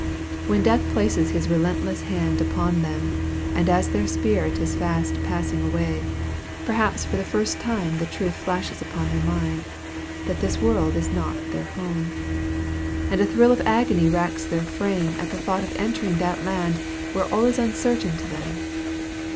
When Death places his relentless hand upon them, and as their spirit is fast passing away, perhaps for the first time the truth flashes upon their mind, that this world is not their home; and a thrill of agony racks their frame at the thought of entering that land where all is uncertainty to them.